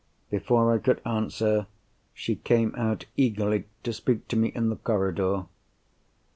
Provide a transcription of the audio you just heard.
Before I could answer, she came out eagerly to speak to me in the corridor.